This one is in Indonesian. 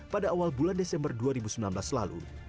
pada awal bulan desember dua ribu sembilan belas lalu